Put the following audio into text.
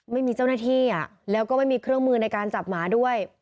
ไม่มีเจ้าหน้าที่แล้วก็ไม่มีเครื่องมือในการจับหมาด้วย